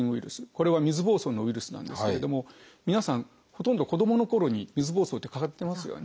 これは水ぼうそうのウイルスなんですけれども皆さんほとんど子どものころに水ぼうそうってかかってますよね。